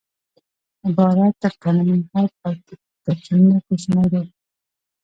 عبارت تر کلیمې غټ او تر جملې کوچنی دئ